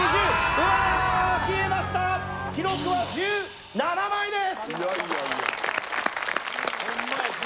うーん、消えました、記録は１７枚です。